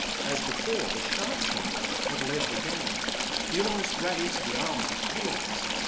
As before, the shark charmer had led the gang. He almost ran into the arms of the peons.